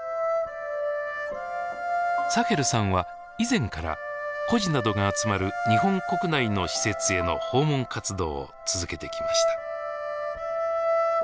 サヘルさんは以前から孤児などが集まる日本国内の施設への訪問活動を続けてきました。